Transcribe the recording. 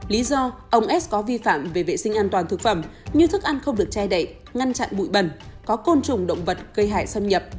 lý do ông s có vi phạm về vệ sinh an toàn thực phẩm như thức ăn không được che đậy ngăn chặn bụi bẩn có côn trùng động vật gây hại xâm nhập